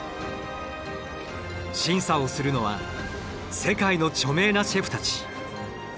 審査をするのは世界の著名なシェフたち。